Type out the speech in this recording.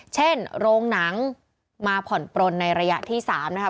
เช่นโรงหนังมาผ่อนปลนในระยะที่๓นะครับ